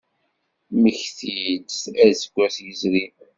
Mmektit-d aseggas yezrin.